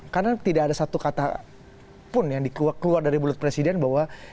karena tidak ada satu kata pun yang keluar dari mulut presiden bahwa